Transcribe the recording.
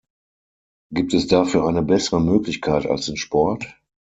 Gibt es dafür eine bessere Möglichkeit als den Sport?